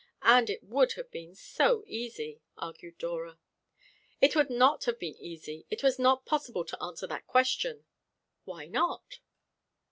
And it would have been so easy," argued Dora. "It would not have been easy. It was not possible to answer that question." "Why not?"